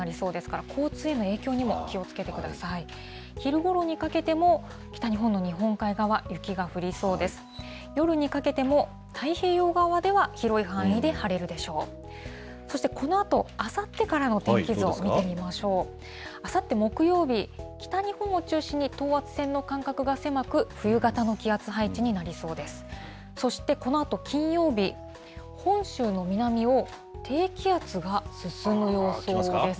あさって木曜日、北日本を中心に等圧線の間隔が狭く、冬型の気圧配置になりそうです。